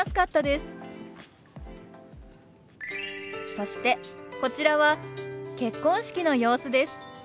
そしてこちらは結婚式の様子です。